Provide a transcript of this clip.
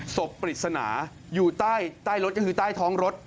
ปริศนาอยู่ใต้รถก็คือใต้ท้องรถ